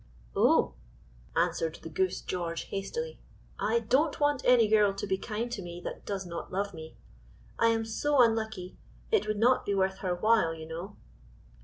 "Oh!" answered the goose George hastily, "I don't want any girl to be kind to me that does not love me; I am so unlucky, it would not be worth her while, you know."